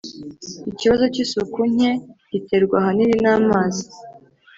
ikibazo cy isuku nke giterwa ahanini namazi